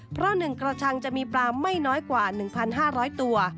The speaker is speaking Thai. เพราะ๑กระชังจะมีปลาไม่น้อยกว่า๑๕๐๐ตัว